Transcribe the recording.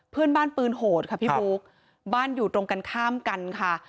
เพื่อนบ้านปืนโหดค่ะพี่บุ๊คบ้านอยู่ตรงกันข้ามกันค่ะ